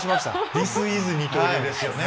ディスイズ二刀流ですよね。